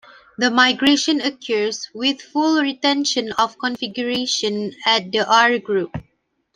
The migration occurs with full retention of configuration at the R-group.